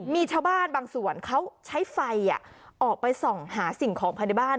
มีชาวบ้านบางส่วนเขาใช้ไฟออกไปส่องหาสิ่งของภายในบ้าน